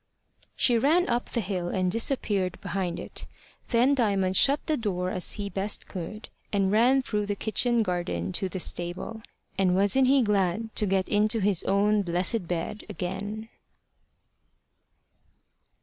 She ran up the hill and disappeared behind it. Then Diamond shut the door as he best could, and ran through the kitchen garden to the stable. And wasn't he glad to get into his own blessed bed again!